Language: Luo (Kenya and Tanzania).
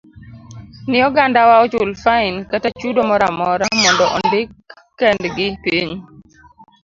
ni ogandawa ochul fain kata chudo moro amora mondo ondik kendgi piny.